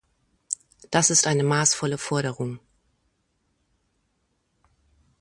Das ist eine maßvolle Forderung.